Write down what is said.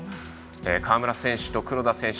川村選手と黒田選手。